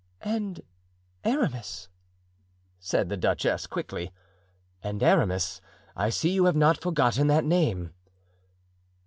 "And Aramis," said the duchess, quickly. "And Aramis; I see you have not forgotten the name."